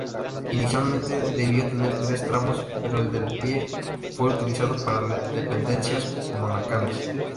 Inicialmente debió tener tres tramos pero el del pie fue utilizado para dependencias monacales.